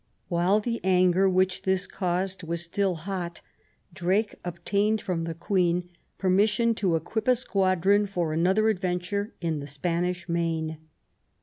While the anger which this caused was still hot, Drake obtained from the Queen permission to equip a squadron for another adventure in the Spanish Main.